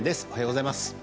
おはようございます。